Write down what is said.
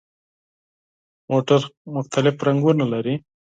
موټر مختلف رنګونه لري.